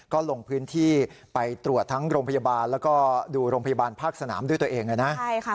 ก็ลงพื้นที่ไปตรวจทั้งโรงพยาบาลแล้วก็ดูโรงพยาบาลภาคสนามด้วยตัวเองนะ